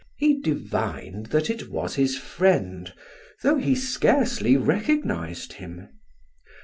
He divined that it was his friend, though he scarcely recognized him.